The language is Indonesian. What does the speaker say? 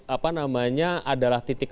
apa namanya adalah titik